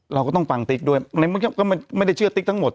เราก็ต้องฟังติ๊กด้วยก็ไม่ได้เชื่อติ๊กทั้งหมด